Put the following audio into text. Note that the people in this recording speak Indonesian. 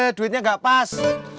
eh duitnya gak pas